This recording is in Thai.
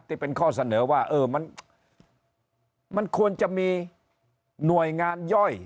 ที่เป็นข้อเสนอว่ามันควรจะมีหน่วยงานย่อย